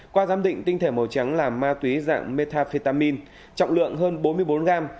qua giám định tinh thể màu trắng là ma túy dạng metafetamin trọng lượng hơn bốn mươi bốn gram